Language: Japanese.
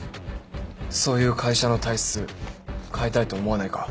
そういう会社の体質変えたいと思わないか？